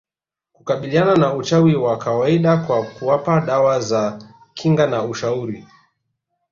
kukabiliana na uchawi wa kawaida kwa kuwapa dawa za kinga na ushauri